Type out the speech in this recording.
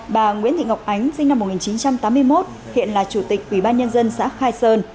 bà nguyễn thị ngọc ánh sinh năm một nghìn chín trăm tám mươi một hiện là chủ tịch ủy ban nhân dân xã khai sơn